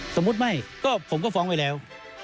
สมมุติไม่ก็ผมก็ฟ้องไว้แล้ว